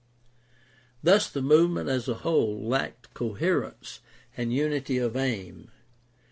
Thus the move ment as a whole lacked coherence and unity of aim.